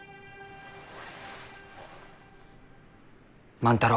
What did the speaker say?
万太郎。